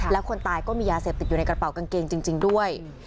แล้วคนตายก็มียาเสพติดอยู่ในกระเป๋ากางเกงจริงด้วย